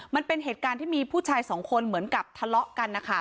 มันเป็นเหตุการณ์ที่มีผู้ชายสองคนเหมือนกับทะเลาะกันนะคะ